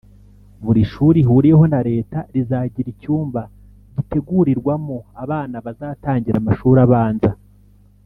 buri shuri ihuriyeho na Leta rizagira icyumba gitegurirwamo abana bazatangira amashuri abanza